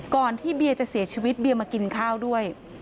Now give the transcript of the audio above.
ก่อนที่เบียร์จะเสียชีวิตเบียมากินข้าวด้วย